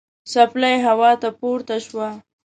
څپلۍ هوا ته پورته شوه.